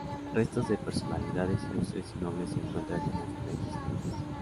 Restos de personalidades ilustres y nobles se encuentran en las diferentes criptas.